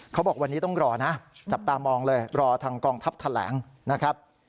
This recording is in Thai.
เขาบอกวันนี้ต้องรอนะจับตามองเลยรอทางกองทัพแถลงนะครับ